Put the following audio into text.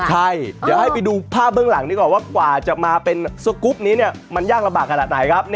ใช่เดี๋ยวให้ไปดูภาพเบื้องหลังนี้ก่อนว่ากว่าจะมาเป็นสกุฟเลยเนี่ยมันยากระบัดขนาดไหน